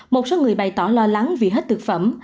một số người bày tỏ lo lắng vì hết thực phẩm